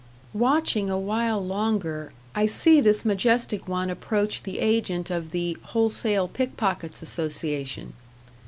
Watching a while longer, I see this majestic one approach the agent of the Wholesale Pickpockets' Association.